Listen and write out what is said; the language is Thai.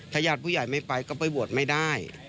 ถ้าญาติผู้ใหญ่ไม่ไปก็ไปบวชไม่ได้